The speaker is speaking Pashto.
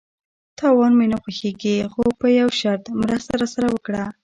_تاوان مې نه خوښيږي، خو په يوه شرط، مرسته راسره وکړه!